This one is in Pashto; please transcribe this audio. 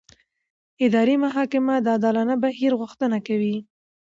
اداري محاکمه د عادلانه بهیر غوښتنه کوي.